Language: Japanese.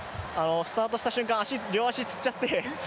スタートした瞬間、両足がつっちゃって。